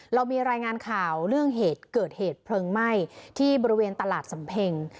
เรามีรายงานข่าวเรื่องเหตุเกิดเหตุเพลิงไหม้ที่บริเวณตลาดสำเพ็ง